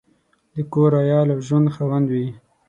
د کور، عیال او ژوند خاوند وي.